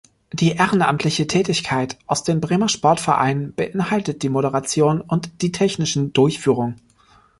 Die ehrenamtliche Tätigkeit aus den Bremer Sportvereinen beinhaltet die Moderation und die technischen Durchführung.